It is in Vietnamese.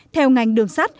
theo ngành đường sắt